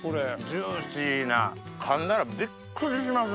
ジューシーなかんだらビックリしますね。